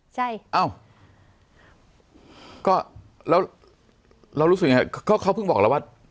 ใช่เอ้าก็แล้วเรารู้สึกยังไงก็เขาเพิ่งบอกแล้วว่า